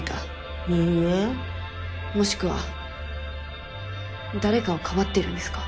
もしくは誰かをかばってるんですか？